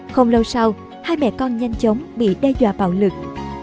không lâu sau hai mẹ con nhanh chóng bị đe dọa bạo lực